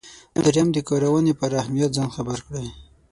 دریم د کارونې پر اهمیت ځان خبر کړئ.